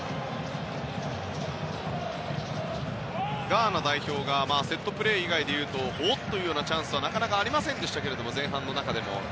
ガーナ代表はセットプレー以外でいうとおっ！というチャンスはなかなかありませんでしたが前半の中でも。